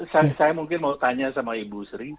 saya mungkin mau tanya sama ibu sri